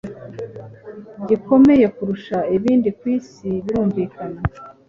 gikomeye kurusha ibindi ku isi, birumvikana